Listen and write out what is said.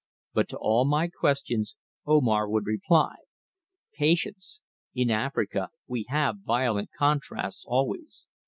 But to all my questions Omar would reply: "Patience. In Africa we have violent contrasts always.